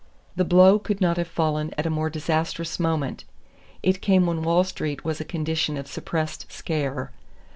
The blow could not have fallen at a more disastrous moment. It came when Wall Street was in a condition of suppressed "scare."